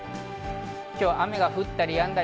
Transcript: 今日は雨が降ったりやんだり。